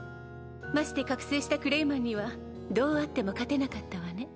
まして覚醒したクレイマンにはどうあっても勝てなかったわね。